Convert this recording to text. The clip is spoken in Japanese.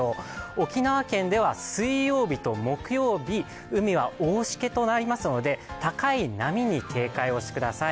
沖縄県では水曜日と木曜日、海は大しけとなりますので高い波に警戒をしてください。